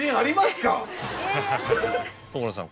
所さん